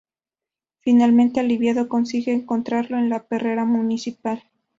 Finalmente, aliviado, consigue encontrarlo en la perrera municipal.